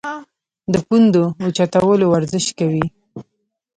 د پوندو اوچتولو ورزش کوی -